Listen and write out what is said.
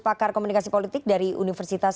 pakar komunikasi politik dari universitas